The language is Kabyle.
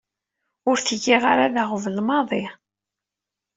Ur t-giɣ ara d aɣbel maḍi.